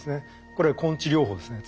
これは根治療法ですね。